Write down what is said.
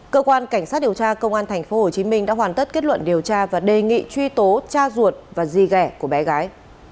cơ quan cảnh sát điều tra công an tp hcm đã hoàn tất kết luận điều tra và đề nghị truy tố cha ruột và di gẻ của bé gái